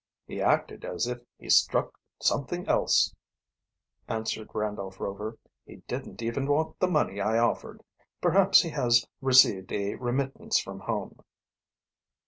"He acted as if he had struck something else," answered Randolph Rover. "He didn't even want the money I offered. Perhaps he has received a remittance from home."